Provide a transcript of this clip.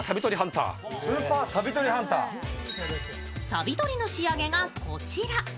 さび取りの仕上げがこちら。